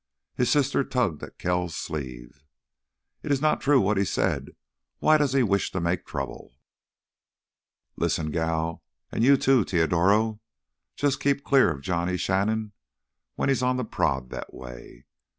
His sister tugged at Kells' sleeve. "It is not true what he said. Why does he wish to make trouble?" "Lissen, gal, an' you, too, Teodoro—jus' keep clear of Johnny Shannon when he's on th' prod that way.